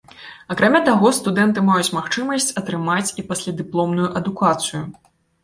Акрамя таго, студэнты маюць магчымасць атрымаць і паслядыпломную адукацыю.